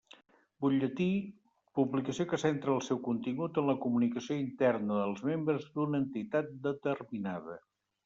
Butlletí: publicació que centra el seu contingut en la comunicació interna dels membres d'una entitat determinada.